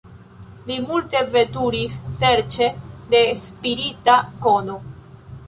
Li multe veturis serĉe de spirita kono.